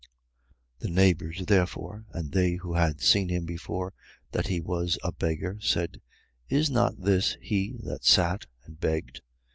9:8. The neighbours, therefore, and they who had seen him before that he was a beggar, said: Is not this he that sat and begged?